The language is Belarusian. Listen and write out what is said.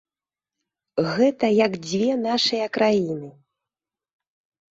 Гэта як дзве нашыя краіны.